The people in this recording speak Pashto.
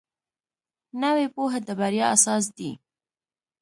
نوې پوهه د بریا اساس دی